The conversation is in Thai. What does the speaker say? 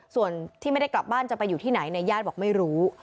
ส่วนที่ไม่ได้กลับบ้านจะไปอยู่ที่ไหนเนี่ยญาติบอกไม่รู้